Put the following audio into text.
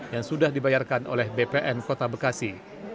yang sudah dibayarkan oleh bpn kota bekasi